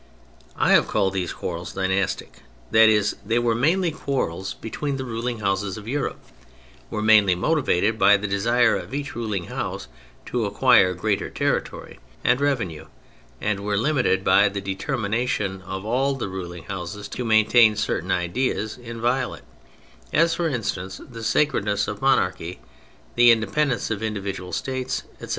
I have called these quarrels dynastic ; that is, they were mainly quarrels between the 146 THE FRENCH REVOLUTION ruling houses of Europe : were mainly motived by the desire of each ruling house to acquire greater territory and revenue, and were limited by the determination of all the ruling houses to maintain certain ideas inviolate, as, for instance, the sacredness of monarchy, the independence of individual States, etc.